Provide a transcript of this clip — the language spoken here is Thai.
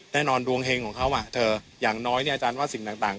แน่นอนดวงเห็งของเขาอย่างน้อยอาจารย์ว่าสิ่งต่าง